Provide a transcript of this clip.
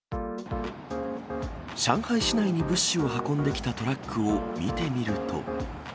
上海市内に物資を運んできたトラックを見てみると。